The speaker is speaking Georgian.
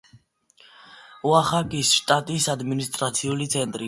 ოახაკის შტატის ადმინისტრაციული ცენტრი.